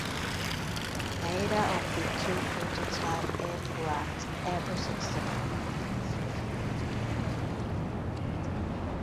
Neither of the two prototype aircraft ever successfully transitioned to full forward flight.